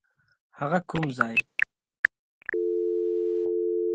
هغه کوم ځای؟